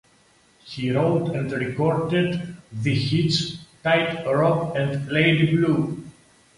He wrote and recorded the hits "Tight Rope" and "Lady Blue".